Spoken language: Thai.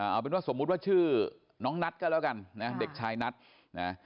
เอาเป็นว่าสมมุติว่าชื่อน้องนัทก็แล้วกันนะเด็กชายนัทนะ